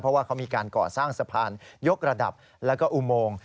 เพราะว่าเขามีการก่อสร้างสะพานยกระดับแล้วก็อุโมง